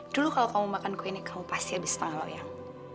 dulu kalau kamu makanku ini kamu pasti habis setengah loyang